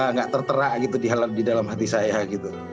nggak tertera gitu di dalam hati saya gitu